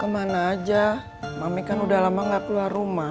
kemana aja mami kan udah lama gak keluar rumah